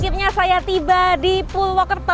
akhirnya saya tiba di purwokerto